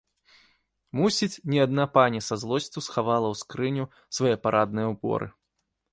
Мусіць, не адна пані са злосцю схавала ў скрыню свае парадныя ўборы.